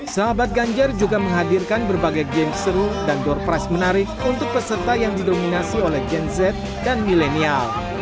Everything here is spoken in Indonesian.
sahabat ganjar juga menghadirkan berbagai game seru dan door price menarik untuk peserta yang didominasi oleh gen z dan milenial